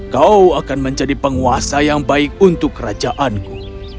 kau akan menjadi penguasa yang baik untuk kerajaanku